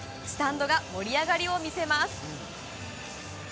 スタンドが盛り上がりを見せます。